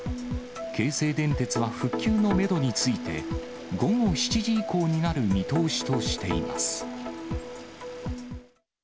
京成電鉄は復旧のメドについて、午後７時以降になる見通しとしています。